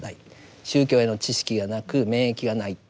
宗教への知識がなく免疫がない。